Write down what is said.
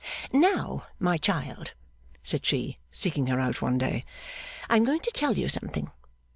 'Now, my child,' said she, seeking her out one day, 'I am going to tell you something.